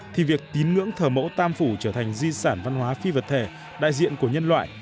thì việc tín ngưỡng thờ mẫu tam phủ trở thành di sản văn hóa phi vật thể đại diện của nhân loại